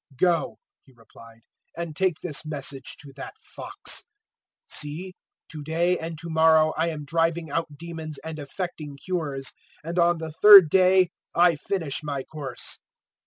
013:032 "Go," He replied, "and take this message to that fox: "`See, to day and to morrow I am driving out demons and effecting cures, and on the third day I finish my course.'